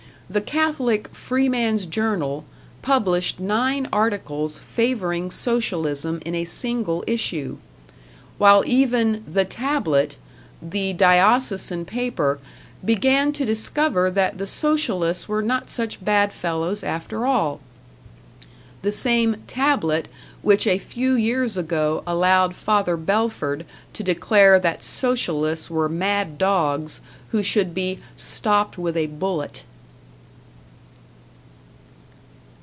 The Catholic "Freeman's Journal" published nine articles favoring Socialism in a single issue; while even "The Tablet," the diocesan paper, began to discover that the Socialists were not such bad fellows after all. The same "Tablet" which a few years ago allowed Father Belford to declare that Socialists were mad dogs who should be "stopped with a bullet"!